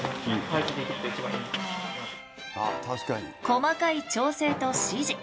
細かい調整と指示。